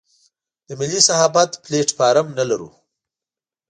د ملي صحافت پلیټ فارم نه لرو.